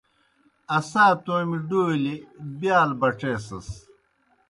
اسا تومیْ ڈولیْ بِیال بڇیسَس۔